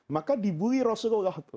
maka dibuli rasulullah